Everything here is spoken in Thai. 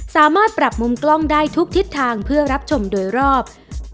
สามารถปรับมุมกล้องได้ทุกทิศทางเพื่อรับชมโดยรอบ